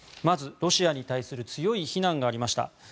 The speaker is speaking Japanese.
まず、ロシアに対する強い非難がありました。